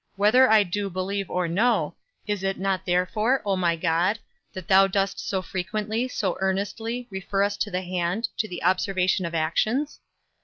whether I do believe or no, is it not therefore, O my God, that thou dost so frequently, so earnestly, refer us to the hand, to the observation of actions?